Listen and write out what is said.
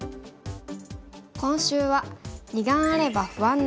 今週は「二眼あれば不安なし！」です。